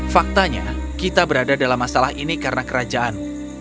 faktanya kita berada dalam masalah ini karena kerajaan